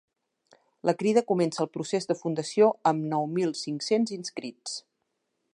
La Crida comença el procés de fundació amb nou mil cinc-cents inscrits.